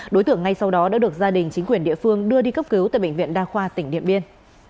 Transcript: đối tượng ngay sau đó đã được gia đình chính quyền địa phương đưa đi cấp cứu tại bệnh viện đa khoa tỉnh điện biên